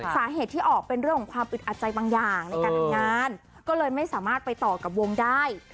สาเหตุที่ออกเป็นเรื่องของความอึดอัดใจบางอย่างในการทำงานก็เลยไม่สามารถไปต่อกับวงได้